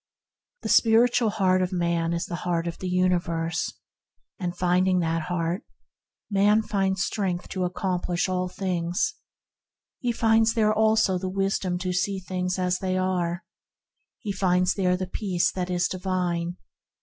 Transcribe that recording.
The Spiritual Heart of man is the Heart of the universe; finding that Heart, man finds strength to accomplish all things. He finds there Wisdom to see things as they are. He finds there the Peace that is divine.